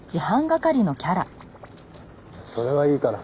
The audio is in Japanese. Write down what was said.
それはいいから。